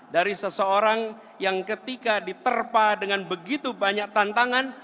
dari seseorang yang ketika diterpa dengan begitu banyak tantangan